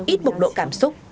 ít bục độ cảm xúc